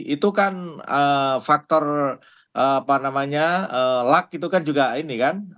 itu kan faktor apa namanya luck itu kan juga ini kan